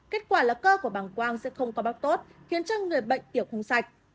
kết quả là cơ của bảng quang sẽ không có bác tốt khiến cho người bệnh tiểu không sạch